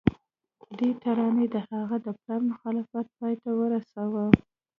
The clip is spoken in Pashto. دې ترانې د هغه د پلار مخالفت پای ته ورساوه